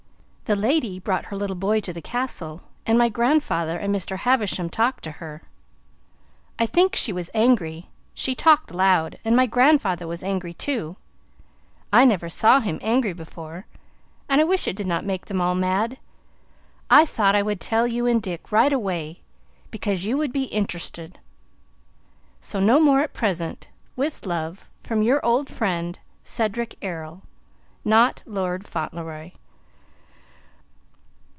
The lady brought her little boy to the castle and my grandfarther and Mr. Havisham talked to her i think she was angry she talked loud and my grandfarther was angry too i never saw him angry before i wish it did not make them all mad i thort i would tell you and Dick right away becaus you would be intrusted so no more at present with love from "your old frend "CEDRIC ERROL (Not lord Fauntleroy)."